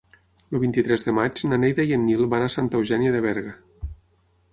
El vint-i-tres de maig na Neida i en Nil van a Santa Eugènia de Berga.